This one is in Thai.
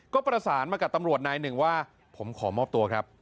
ก็ประสานมากับตำรวจนายหนึ่งว่าผมขอมอบตัวครับ